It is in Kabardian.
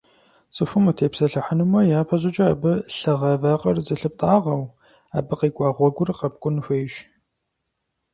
Цӏыхум утепсэлъыхьынумэ, япэ щӏыкӏэ абы лъыгъа вакъэр зылъыптӏагъэу, абы къикӏуа гъуэгур къэпкӏун хуейщ.